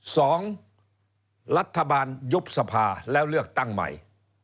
สองรัฐบาลยุบสภาแล้วเลือกตั้งใหม่